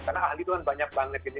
karena ahli itu kan banyak banget